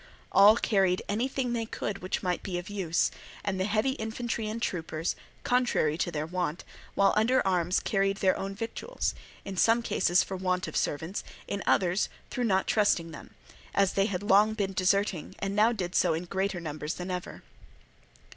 All carried anything they could which might be of use, and the heavy infantry and troopers, contrary to their wont, while under arms carried their own victuals, in some cases for want of servants, in others through not trusting them; as they had long been deserting and now did so in greater numbers than ever.